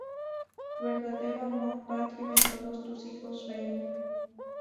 Verdadero amor patrio en todos tus hijos reine.